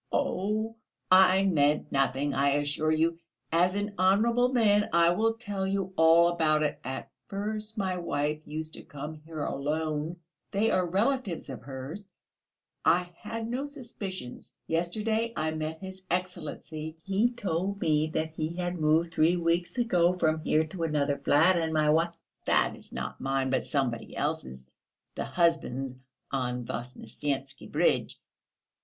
"Oh, I meant nothing, I assure you. As an honourable man I will tell you all about it. At first my wife used to come here alone. They are relatives of hers; I had no suspicions; yesterday I met his Excellency: he told me that he had moved three weeks ago from here to another flat, and my wi ... that is, not mine, but somebody else's (the husband's on the Voznesensky Bridge)